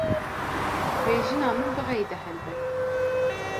Wê jina min bixeyde helbet.